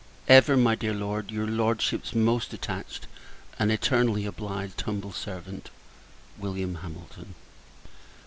Ever, my dear Lord, your Lordship's most attached, and eternally obliged, humble servant, Wm. HAMILTON.